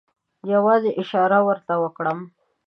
یوازې اشاره ورته وکړم.